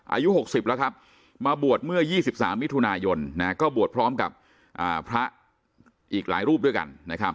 อายุ๖๐แล้วครับมาบวชเมื่อ๒๓มิถุนายนก็บวชพร้อมกับพระอีกหลายรูปด้วยกันนะครับ